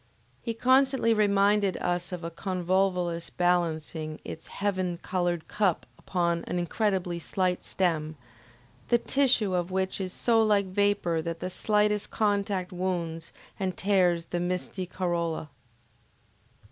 He constantly reminded us of a convolvulus balancing its heaven colored cup upon an incredibly slight stem, the tissue of which is so like vapor that the slightest contact wounds and tears the misty corolla.